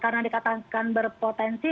karena dikatakan berpotensi